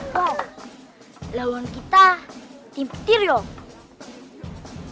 kok lawan kita tim petir yuk